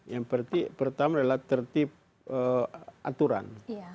yang pertama adalah tertib aturan